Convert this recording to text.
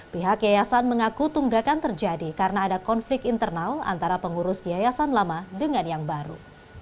pihak yayasan mengaku tunggakan terjadi karena ada konflik internal antara pengurus yayasan lama dengan yang baru